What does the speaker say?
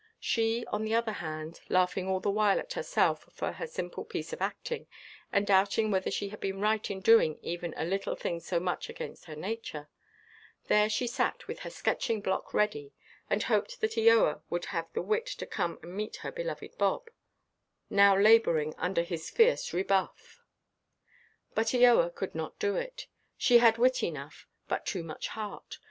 She, on the other hand (laughing all the while at herself for her simple piece of acting, and doubting whether she had been right in doing even a little thing so much against her nature), there she sat, with her sketching–block ready, and hoped that Eoa would have the wit to come and meet her beloved Bob, now labouring under his fierce rebuff. But Eoa could not do it. She had wit enough, but too much heart.